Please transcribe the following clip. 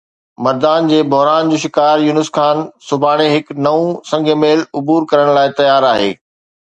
مردان جي بحران جو شڪار يونس خان سڀاڻي هڪ نئون سنگ ميل عبور ڪرڻ لاءِ تيار آهي